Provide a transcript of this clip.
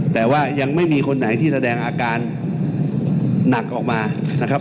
แต่ว่ายังไม่มีคนไหนที่แสดงอาการหนักออกมานะครับ